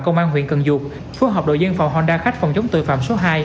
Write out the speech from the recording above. công an huyện cần duột phối hợp đội dân phòng honda khách phòng chống tội phạm số hai